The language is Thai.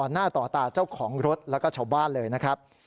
หน้าต่อตาเจ้าของรถแล้วก็ชาวบ้านเลยนะครับ